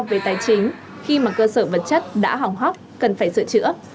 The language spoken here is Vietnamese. về tài chính khi mà cơ sở vật chất đã hỏng hóc cần phải sửa chữa